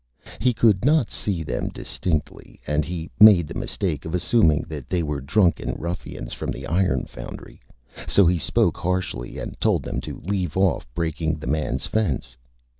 He could not see them Distinctly, and he made the Mistake of assuming that they were Drunken Ruffians from the Iron Foundry. So he spoke harshly, and told them to Leave Off breaking the Man's Fence.